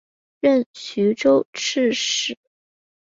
任徐州刺史。